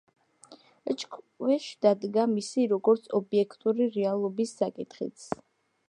ეჭვქვეშ დადგა მისი, როგორც ობიექტური რეალობის საკითხიც.